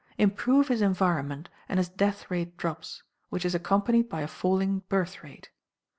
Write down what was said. Improve his environment, and his death rate drops, which is accompanied by a falling birth rate.